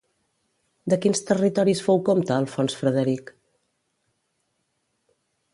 De quins territoris fou compte Alfons Frederic?